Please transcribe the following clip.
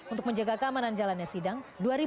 untuk menjaga keamanan jalannya sidang